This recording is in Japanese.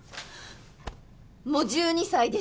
もう１２歳でしょ！